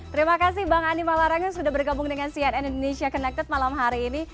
terima kasih bang ani malarangeng sudah bergabung dengan cnn indonesia connected malam hari ini